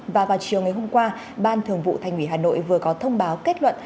và vào chiều ngày hôm qua ban thường vụ thành ủy hà nội vừa có thông báo kết luận